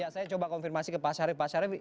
saya coba konfirmasi ke pak syarif